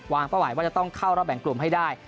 เป้าหมายว่าจะต้องเข้ารอบแบ่งกลุ่มให้ได้